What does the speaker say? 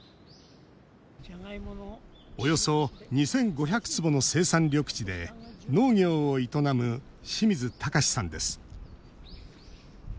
およそ２５００坪の生産緑地で農業を営む清水尊さんです。